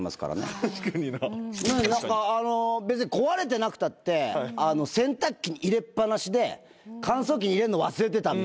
別に壊れてなくたって洗濯機に入れっぱなしで乾燥機に入れんの忘れてたみたいな。